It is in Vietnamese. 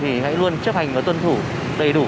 hãy luôn chấp hành và tuân thủ đầy đủ